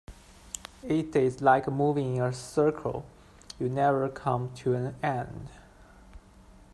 It is like moving in a circle - you never come to an end.